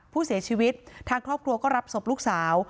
ผู้เสียชีวิตทางครอบครัวก็รับศพลูกสาว